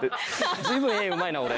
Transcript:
随分絵うまいな俺。